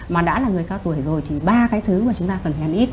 mà đã là người cao tuổi rồi thì ba cái thứ mà chúng ta cần ăn ít